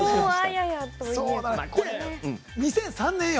２００３年よ。